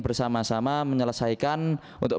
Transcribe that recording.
bersama sama menyelesaikan untuk